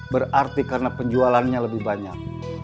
berarti karena penjualannya lebih banyak